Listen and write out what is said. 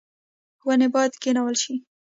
ونې باید کینول شي